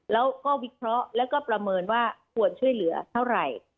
แล้วก็วิเคราะห์แล้วก็ประเมินว่าควรช่วยเหลือเท่าไหร่